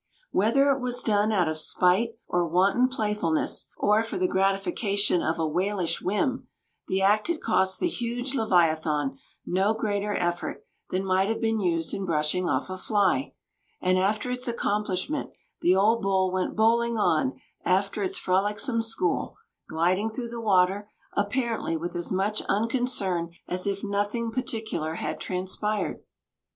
Whether it were done out of spite or wanton playfulness, or for the gratification of a whalish whim, the act had cost the huge leviathan no greater effort than might have been used in brushing off a fly; and after its accomplishment the old bull went bowling on after its frolicsome school, gliding through the water apparently with as much unconcern as if nothing particular had transpired!